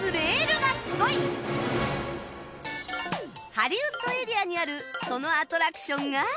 ハリウッド・エリアにあるそのアトラクションが